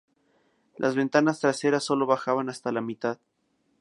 Las ventanas traseras sólo bajaban hasta la mitad.